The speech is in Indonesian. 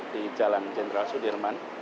di jalan jenderal sudirman